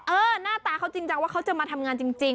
หน้าตาเขาจริงจังว่าเขาจะมาทำงานจริง